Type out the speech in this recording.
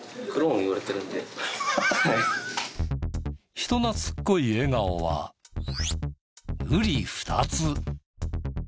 人懐っこい笑顔はうり二つ。